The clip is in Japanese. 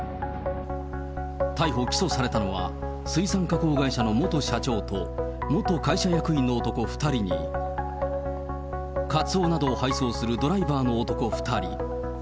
逮捕・起訴されたのは、水産加工会社の元社長と、元会社役員の男２人に、カツオなどを配送するドライバーの男２人。